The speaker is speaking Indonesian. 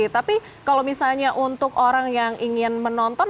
tapi kalau misalnya untuk orang yang ingin menonton